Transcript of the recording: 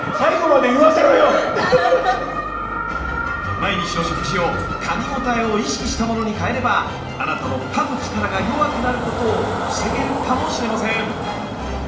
毎日の食事をかみごたえを意識したものに変えればあなたのかむ力が弱くなることを防げるかもしれません。